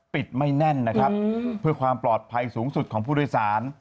ปิดไม่แน่นเพื่อความปลอดภัยสูงสุดของผู้โดยสาร